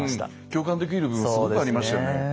共感できる部分すごくありましたよね。